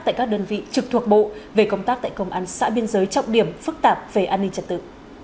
tại các đơn vị trực thuộc bộ về công tác tại công an xã biên giới trọng điểm phức tạp về an ninh trật tự